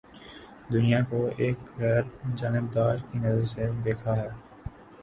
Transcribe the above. دنیا کو ایک غیر جانبدار کی نظر سے دیکھا ہے